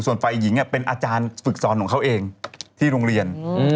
ส่วนฝ่ายหญิงเป็นอาจารย์ฝึกสอนของเขาเองที่โรงเรียน